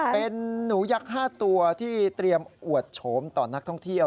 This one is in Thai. เป็นหนูยักษ์๕ตัวที่เตรียมอวดโฉมต่อนักท่องเที่ยว